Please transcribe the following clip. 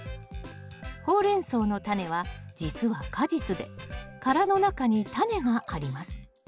ホウレンソウのタネはじつは果実で殻の中にタネがあります。